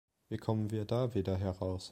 Wie kommen wir da wieder heraus?